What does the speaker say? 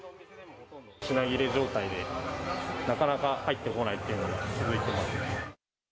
品切れ状態で、なかなか入ってこないっていうのが続いています。